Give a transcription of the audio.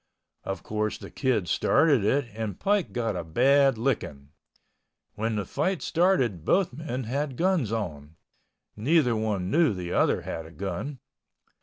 Of course the Kid started it and Pike got a bad licking. When the fight started both men had guns on. Neither one knew the other had a gun.